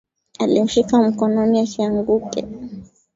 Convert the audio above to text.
Alimshika mkononi asianguke